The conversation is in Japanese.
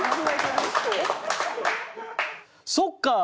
「そっかー！